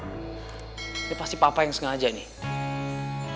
ini pasti papa yang sengaja nih